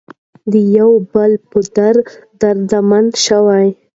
د یو بل په درد دردمن شئ.